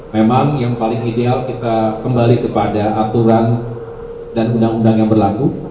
memang yang paling ideal kita kembali kepada aturan dan undang undang yang berlaku